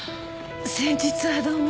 先日はどうも。